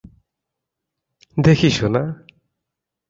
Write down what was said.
দেখি, সোনা।